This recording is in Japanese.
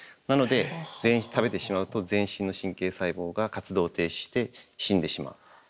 なので食べてしまうと全身の神経細胞が活動停止して死んでしまう。